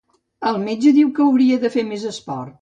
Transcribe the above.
El metge diu que hauria de fer més esport.